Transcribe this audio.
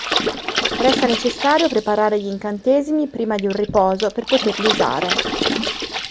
Resta necessario preparare gli incantesimi prima di un riposo per poterli usare.